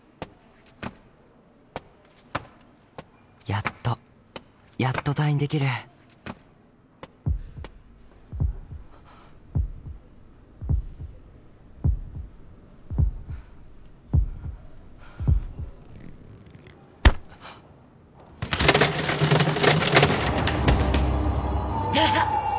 やっとやっと退院できる痛っ。